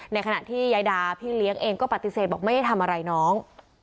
ในขณะที่ยายดาพี่เลี้ยงเองก็ปฏิเสธบอกไม่ได้ทำอะไรน้อง